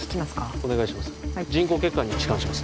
お願いします